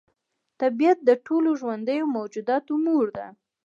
طبیعت د ټولو ژوندیو موجوداتو مور ده.